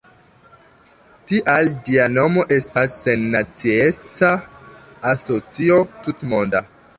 Tial ĝia nomo estas Sennacieca Asocio Tutmonda.